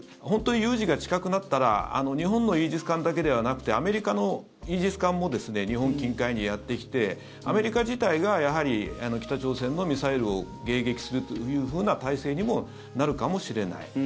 本当に有事が近くなったら日本のイージス艦だけではなくてアメリカのイージス艦も日本近海にやってきてアメリカ自体がやはり、北朝鮮のミサイルを迎撃するというふうな態勢にもなるかもしれない。